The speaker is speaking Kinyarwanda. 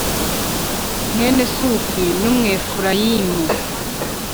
Mwene Sufi n’Umwefurayimu .